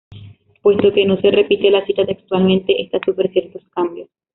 Puesto que no se repite la cita textualmente esta sufre ciertos cambios.